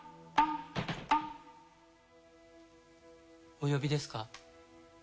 お呼びですか？